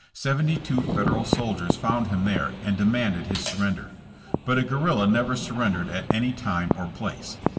Seventy two Federal soldiers found him there and demanded his surrender. But a guerrilla never sur rendered at any time or place.